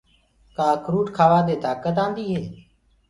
ڪآ اکروُٽ ڪآوآ دي تآڪت آندي هي۔